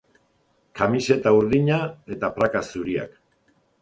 Kamiseta urdina eta praka zuriak.